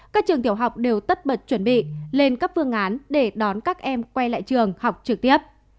các trường tiểu học đều tất bật chuẩn bị lên các phương án để đón các em quay lại trường học trực tiếp